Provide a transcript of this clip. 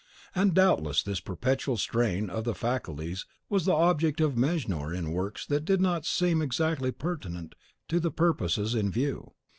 And doubtless this perpetual strain of the faculties was the object of Mejnour in works that did not seem exactly pertinent to the purposes in view.